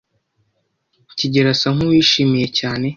kigeli asa nkuwishimiye cyane.